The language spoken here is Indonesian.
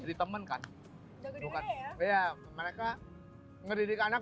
harus menjadi teman menjadi sahabat